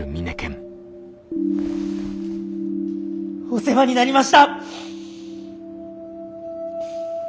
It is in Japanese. お世話になりました！